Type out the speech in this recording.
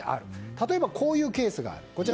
例えば、こういうケース。